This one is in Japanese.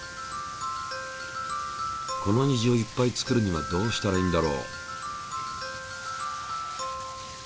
この虹をいっぱい作るにはどうしたらいいんだろう？